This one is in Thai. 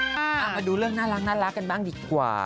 มาดูเรื่องน่ารักน่ารักกันบ้างดีกว่า